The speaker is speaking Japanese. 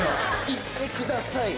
「いってください。